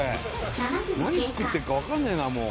何作ってるかわかんねえなもう。